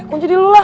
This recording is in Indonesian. kunci di lo lah